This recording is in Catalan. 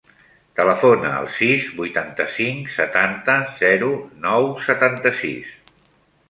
Telefona al sis, vuitanta-cinc, setanta, zero, nou, setanta-sis.